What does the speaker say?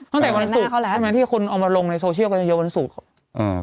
ห้องไทยกว่านักศูนย์คนเอามาลงในโซเชียลก็ยังเยอะวันศูนย์